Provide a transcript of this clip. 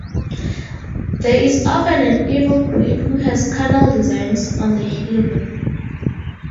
There is often an evil queen who has carnal designs on the hero.